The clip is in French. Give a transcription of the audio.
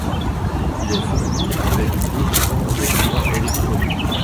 Il est fourni avec deux grands écrans électroniques.